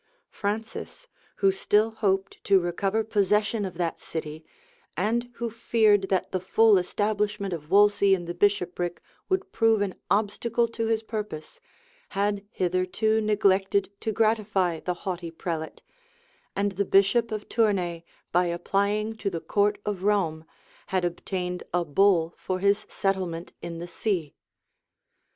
Francis, who still hoped to recover possession of that city, and who feared that the full establishment of Wolsey in the bishopric would prove an obstacle to his purpose, had hitherto neglected to gratify the haughty prelate; and the bishop of Tournay, by applying to the court of Rome, had obtained a bull for his settlement in the see.